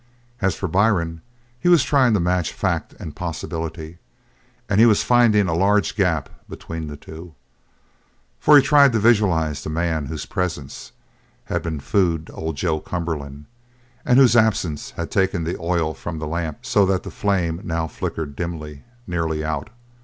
As for Byrne, he was trying to match fact and possibility and he was finding a large gap between the two; for he tried to visualise the man whose presence had been food to old Joe Cumberland, and whose absence had taken the oil from the lamp so that the flame now flickered dimly, nearly out.